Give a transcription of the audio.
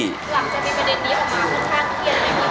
หลังจะมีประเด็นนี้ผสมภาพณ์ที่มัอไม่อย่างงั้น